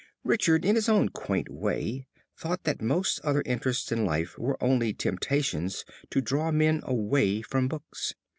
'" Richard in his own quaint way thought that most other interests in life were only temptations to draw men away from books.